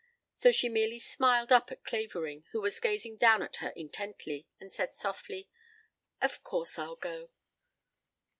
So she merely smiled up at Clavering, who was gazing down at her intently, and said softly: "Of course I'll go.